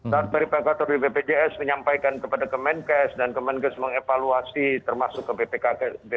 dan perikator di bpjs menyampaikan kepada kemenkes dan kemenkes mengevaluasi termasuk ke bpjs